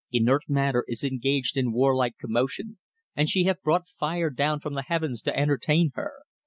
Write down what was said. "Inert matter is engaged in warlike commotion and she hath brought fire down from the heavens to entertain her.